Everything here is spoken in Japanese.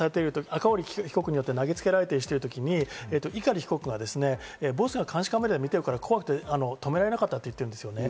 赤堀被告によって投げつけられたりしているときに碇被告はボスが監視カメラで見てるから、怖くて止められなかったと言ってる。